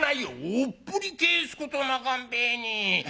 「おっぽり返すことなかんべえに。